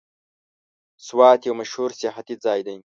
سوات یو مشهور سیاحتي ځای دی.